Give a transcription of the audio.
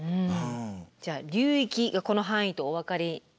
じゃあ流域がこの範囲とお分かりいただきました。